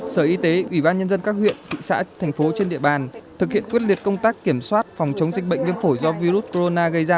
sở y tế ủy ban nhân dân các huyện thị xã thành phố trên địa bàn thực hiện quyết liệt công tác kiểm soát phòng chống dịch bệnh viêm phổi do virus corona gây ra